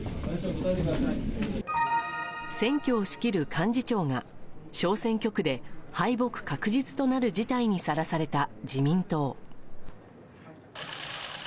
選挙を仕切る幹事長が、小選挙区で敗北確実となる事態にさらされた自民党。